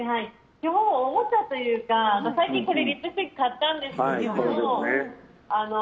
基本おもちゃというか最近、このリップスティックを買ったんですけどね。